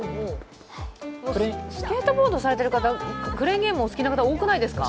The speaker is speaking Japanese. スケートボードされているかた、クレーンゲームがお好きな方、多くないですか？